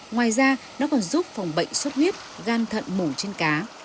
ngoài ra nó còn giúp phòng bệnh suốt huyết gan thận mủ trên cá